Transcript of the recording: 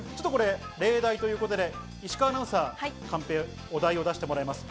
例題ということで石川アナウンサー、カンペ、お題を出してもらいます。